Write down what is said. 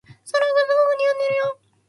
その服すごく似合ってるよ。